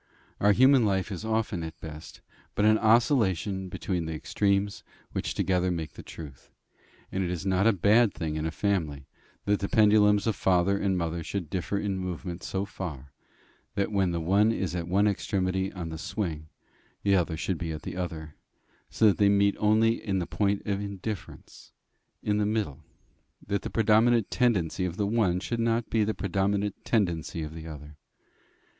Our human life is often, at best, but an oscillation between the extremes which together make the truth; and it is not a bad thing in a family, that the pendulums of father and mother should differ in movement so far, that when the one is at one extremity of the swing, the other should be at the other, so that they meet only in the point of indifference, in the middle; that the predominant tendency of the one should not be the predominant tendency of the other.